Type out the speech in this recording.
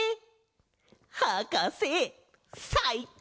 はかせさいこう！